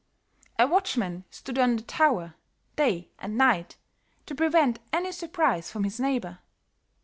A watchman stood on the tower, day and night, to prevent any surprise from his neighbor.